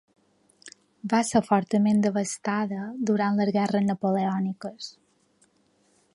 Va ser fortament devastada durant les guerres napoleòniques.